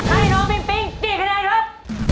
ให้น้องปิงปิ๊งกี่คะแนนครับ